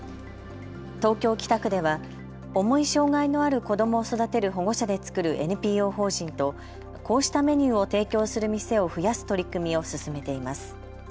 東京北区では重い障害のある子どもを育てる保護者で作るＮＰＯ法人とこうしたメニューを提供する店を増やす取り組みを進めています。